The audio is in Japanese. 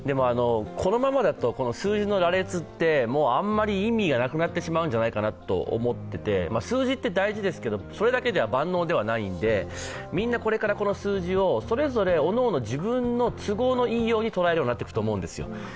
このままだと数字の羅列ってもうあまり意味がなくなってしまうんじゃないかなと思っていて数字って大事ですけど、それだけでは万能ではないんでみんなこれからこの数字をおのおの、自分の都合のいいように捉えるようになっていくと思うんです。